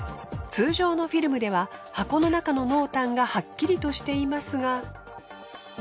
通常のフィルムでは箱の中の濃淡がはっきりとしていますが。